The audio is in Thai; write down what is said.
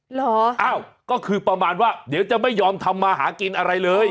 เหรออ้าวก็คือประมาณว่าเดี๋ยวจะไม่ยอมทำมาหากินอะไรเลย